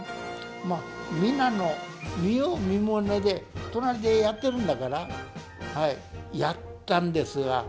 まあみんなの見よう見まねで隣でやってるんだからはいやったんですわ。